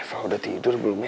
reva udah tidur belum ya